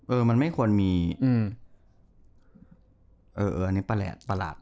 เออมันไม่ควรมีอันนี้ประหลาด